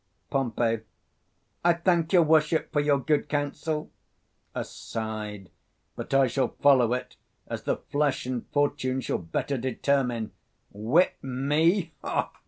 235 Pom. I thank your worship for your good counsel: [Aside] but I shall follow it as the flesh and fortune shall better determine. Whip me?